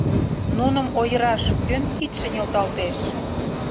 Нуным ойыраш кӧн кидше нӧлталтеш?